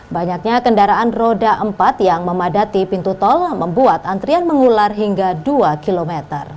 banyaknya kendaraan roda empat yang memadati pintu tol membuat antrian mengular hingga dua km